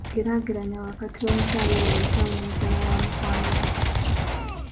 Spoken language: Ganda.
Geraageranya wakati w'omukyala oyo ayitawo ne mukyala wa mukwano gwo.